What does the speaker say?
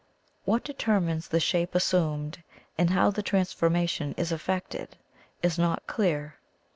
What determines the shape assumed and how the transformation is ef fected is not clear.